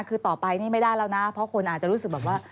คือต่อไปนี่ไม่ได้แล้วนะเพราะคนอาจจะรู้สึกแบบว่า